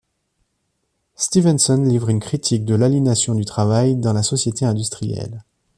Stevenson livre une critique de l'aliénation du travail dans la société industrielle.